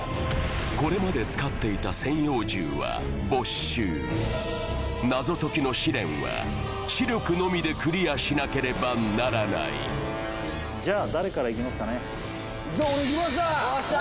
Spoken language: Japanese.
これまで使っていた専用銃は没収謎解きの試練は知力のみでクリアしなければならないじゃあじゃあ俺行きますわよっしゃ！